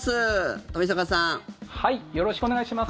よろしくお願いします。